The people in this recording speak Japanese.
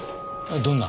どんな？